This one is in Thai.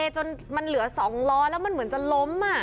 จนมันเหลือ๒ล้อแล้วมันเหมือนจะล้ม